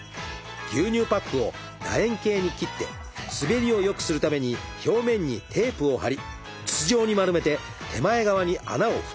牛乳パックを楕円形に切って滑りをよくするために表面にテープを貼り筒状に丸めて手前側に穴を２つ開けます。